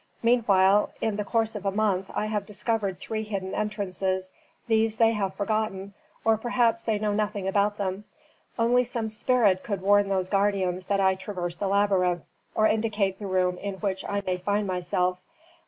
Meanwhile, in the course of a month I have discovered three hidden entrances, these they have forgotten, or perhaps they know nothing about them. Only some spirit could warn those guardians that I traverse the labyrinth, or indicate the room in which I may find myself.